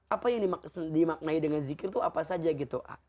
apa yang dimaknai dengan zikir itu apa saja gitu